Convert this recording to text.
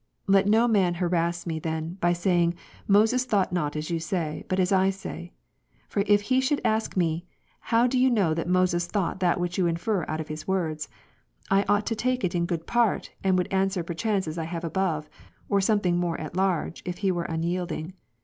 Let no man harass me then, by saying, Moses thought not as you say, but as I say : for if he should ask me, " How know you that Moses thought that which you infer out of his words r" I ought to take it in good part ^, and would answer perchance as I have above, or something more at large, if he were unyielding.